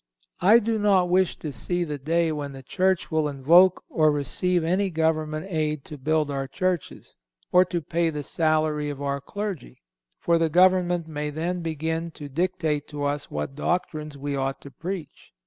I do not wish to see the day when the Church will invoke or receive any government aid to build our churches, or to pay the salary of our clergy, for the government may then begin to dictate to us what doctrines we ought to preach.